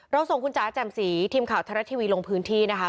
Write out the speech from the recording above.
ส่งคุณจ๋าแจ่มสีทีมข่าวไทยรัฐทีวีลงพื้นที่นะคะ